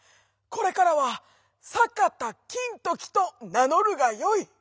これからはさかたきんときとなのるがよい」。